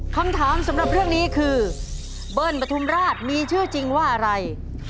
คำถามสำหรับเรื่องนี้คือเบิ้ลปฐุมราชมีชื่อจริงว่าอะไร